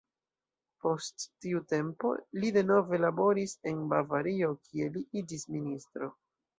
Post tiu tempo, li denove laboris en Bavario, kie li iĝis ministro.